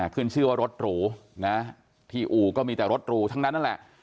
ขึ้นชื่อว่ารถหรูนะที่อู่ก็มีแต่รถหรูทั้งนั้นนั่นแหละ